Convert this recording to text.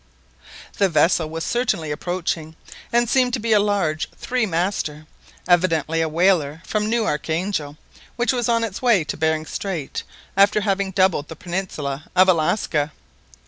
The vessel was certainly approaching, and seemed to be a large three master, evidently a whaler from New Archangel, which was on its way to Behring Strait after having doubled the peninsula of Alaska.